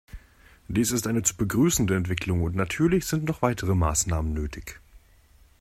Dies ist eine zu begrüßende Entwicklung und natürlich sind noch weitere Maßnahmen nötig.